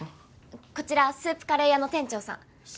こちらスープカレー屋の店長さん。